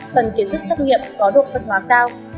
phần kiến thức trắc nghiệm có độ phân hóa cao